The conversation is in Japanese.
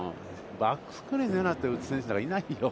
バックスクリーン狙って打つ選手なんかいないよ。